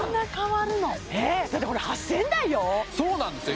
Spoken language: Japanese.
だってこれ８０００円台よそうなんですよ